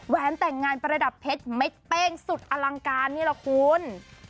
แต่งงานประดับเพชรเม็ดเป้งสุดอลังการนี่แหละคุณ